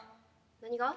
何が？